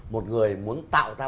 một người muốn tạo ra